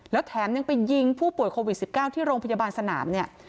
แล้วแถมยังไปยิงผู้ป่วยโควิด๑๙ที่โรงพยาบาลสนามเนี่ย